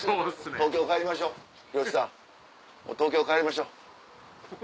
東京帰りましょう。